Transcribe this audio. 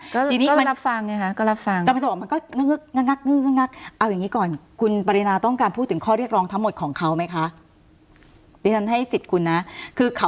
ก็รับฟังไงค่ะก็รับฟังแต่มันจะบอกมันก็งึกงึกงึกงึกงึกเอาอย่างงี้ก่อนคุณปริณาต้องการพูดถึงข้อเรียกร้องทั้งหมดของเขาไหมคะ